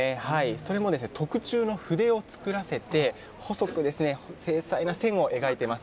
それも特注の筆を作らせて、細く精細な線を描いています。